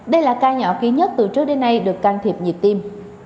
đây là ca nhỏ ký nhất từ trước đến nay được can thiệp nhịp tim